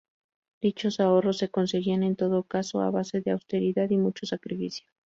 Dichos ahorros se conseguían, en todo caso, a base de austeridad y mucho sacrificio.